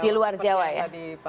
di luar jawa ya